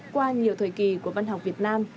qua nhiều thời kỳ của văn học việt nam